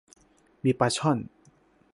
มีปลาช่อน